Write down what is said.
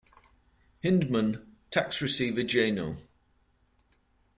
Hindman, Tax Receiver Jno.